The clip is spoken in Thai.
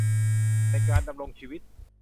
ในการดำรงชีวิต